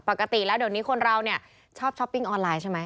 ปกติแล้วเดี๋ยวนี้คนเราเนี่ยชอบช้อปปิ้งออนไลน์ใช่ไหม